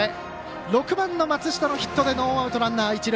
６番の松下のヒットでノーアウト、ランナー、一塁。